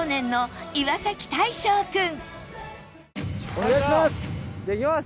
お願いします。